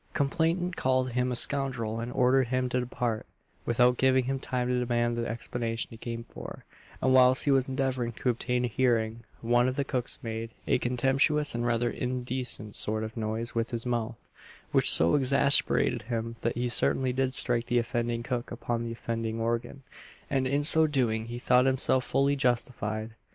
Complainant called him a scoundrel, and ordered him to depart, without giving him time to demand the explanation he came for; and whilst he was endeavouring to obtain a hearing, one of the cooks made "a contemptuous and rather indecent sort of noise with his mouth;" which so exasperated him, that he certainly did strike the offending cook upon the offending organ; and in so doing he thought himself fully justified.